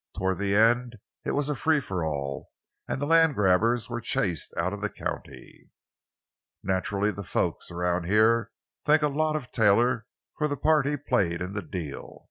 Toward the end it was a free for all—and the land grabbers were chased out of the county. "Naturally, the folks around here think a lot of Taylor for the part he played in the deal.